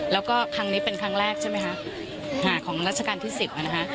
แล้วก็ครั้งนี้เป็นครั้งแรกใช่ไหมคะของราชการที่๑๐นะคะ